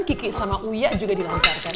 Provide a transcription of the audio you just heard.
kiki sama uya juga dilancarkan